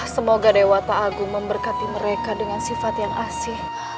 semoga dewa ta'agu memberkati mereka dengan sifat yang asih